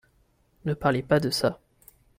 Ne parlez pas de ça.